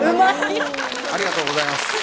ありがとうございます。